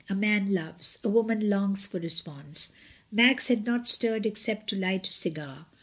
A man loves; a woman longs for response. Max had not stirred except to light a cigar.